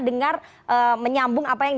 dengar menyambung apa yang